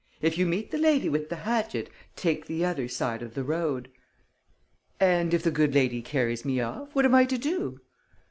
"If you meet the lady with the hatchet, take the other side of the road!" "And, if the good lady carries me off, what am I to do?"